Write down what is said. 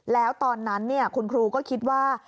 แล้วตอนนั้นคุณครูก็คิดว่า